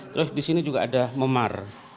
terus di sini juga ada memar